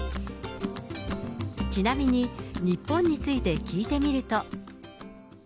ちなみに日本について聞いてみると。